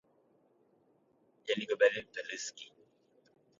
В социальном плане Алжир заботится о будущем своей молодежи.